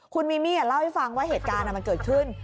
คุณมิมี่เล่าให้ฟังว่าเหตุการณ์มันเกิดขึ้น